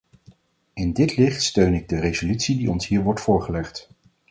In dit licht steun ik de resolutie die ons hier wordt voorgelegd.